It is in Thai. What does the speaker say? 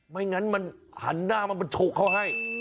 ไม่งั้นมันหันหน้ามามันโชคเขาให้